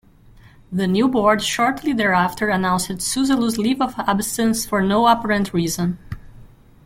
The new board shortly thereafter announced Suzzallo's "leave of absence" for no apparent reason.